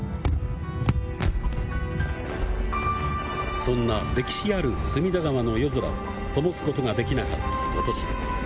そんな歴史ある隅田川の夜空を灯すことができなかった今年。